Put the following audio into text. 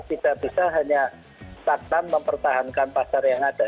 tidak bisa hanya stagnan mempertahankan pasar yang ada